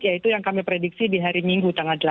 yaitu yang kami prediksi di hari minggu tanggal delapan